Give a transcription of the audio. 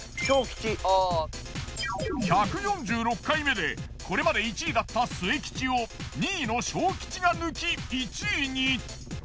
１４６回目でこれまで１位だった末吉を２位の小吉が抜き１位に。